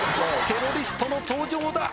テロリストの登場だ